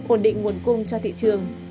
ổn định nguồn cung cho thị trường